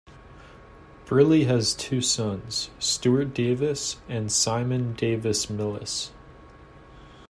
Briley has two sons, Stewart Davis and Simon Davis-Millis.